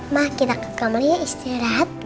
ma kita ke kameranya istirahat